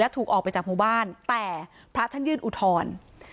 ถูกออกไปจากหมู่บ้านแต่พระท่านยื่นอุทธรณ์